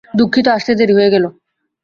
দুঃখিত, আসতে দেরি হয়ে গেলো।